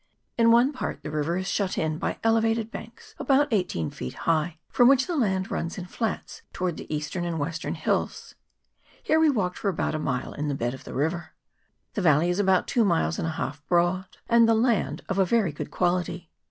In one part the river is shut in by elevated banks about eighteen feet high, from which the land runs in flats towards the east ern and western hills ; here we walked for about a mile in the bed of the river. The valley is about two miles and a half broad, and the land of a very good quality.